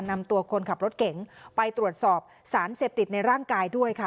นำตัวคนขับรถเก๋งไปตรวจสอบสารเสพติดในร่างกายด้วยค่ะ